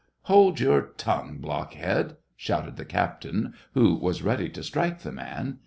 " Hold your tongue, blockhead !" shouted the captain, who was ready to strike the man.